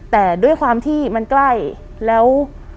แต่ด้วยความที่มันใกล้แล้ว